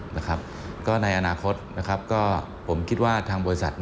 ในอนาคตผมคิดว่าทางบริษัท